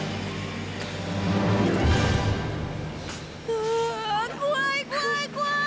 うわ怖い怖い怖い！